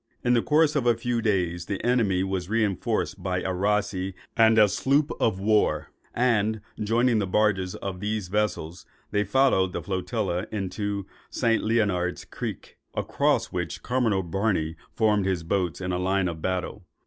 In the course of a few days, the enemy was reinforced by a rasee and a sloop of war; and joining the barges of these vessels, they followed the flotilla into St. Leonard's Creek, across which Commodore Barney formed his boats in line of battle.